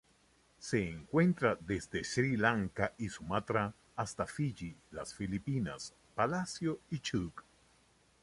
Se encuentra desde Sri Lanka y Sumatra hasta Fiyi, las Filipinas, Palacio y Chuuk.